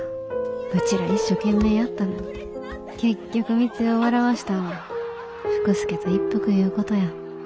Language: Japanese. うちら一生懸命やったのに結局みつえを笑わしたんは福助と一福いうことや。